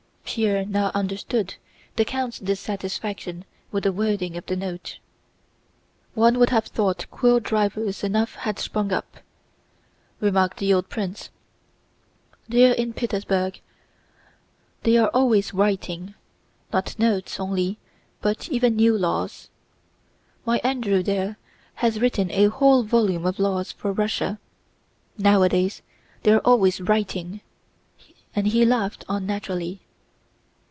Pierre now understood the count's dissatisfaction with the wording of the Note. "One would have thought quill drivers enough had sprung up," remarked the old prince. "There in Petersburg they are always writing—not notes only but even new laws. My Andrew there has written a whole volume of laws for Russia. Nowadays they are always writing!" and he laughed unnaturally.